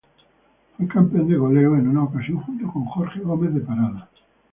Fue campeón de goleo en una ocasión junto con Jorge Gómez de Parada.